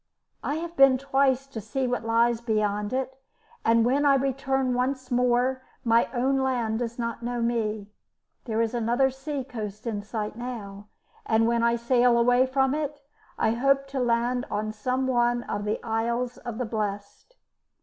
I have been twice to see what lies beyond it, and when I return once more my own land does not know me. There is another sea coast in sight now, and when I sail away from it I hope to land on some one of the Isles of the Blest.